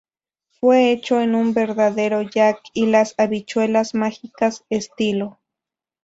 Fue hecho en un verdadero "Jack y las habichuelas mágicas 'estilo.